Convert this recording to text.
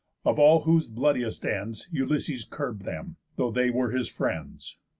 Of all whose bloodiest ends Ulysses curb'd them, though they were his friends.